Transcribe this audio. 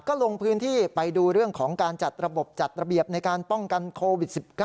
ก็ลงพื้นที่ไปดูเรื่องของการจัดระบบจัดระเบียบในการป้องกันโควิด๑๙